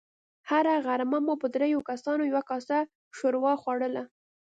هره غرمه مو په دريو کسانو يوه کاسه ښوروا خوړله.